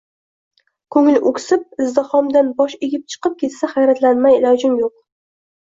ko’ngli o’ksib izdihomdan bosh egib chiqib ketsa, hayratlanmay ilojim yo’q!